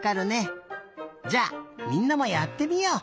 じゃあみんなもやってみよう。